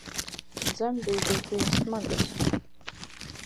Dzemdības bija smagas